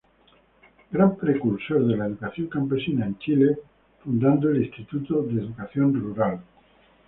Gran precursor de la educación campesina en Chile, fundando el Instituto de Educación Rural.